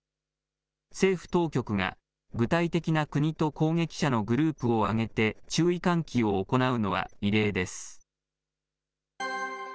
政府当局が、具体的な国と攻撃者のグループを挙げて注意喚起を行うのは異例です。